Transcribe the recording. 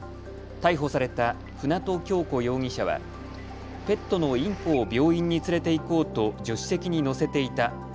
逮捕された舟渡今日子容疑者はペットのインコを病院に連れて行こうと助手席に乗せていた。